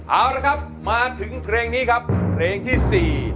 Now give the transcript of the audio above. เอาละครับมาถึงเพลงนี้ครับเพลงที่๔